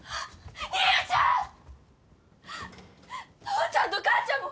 父ちゃんと母ちゃんも。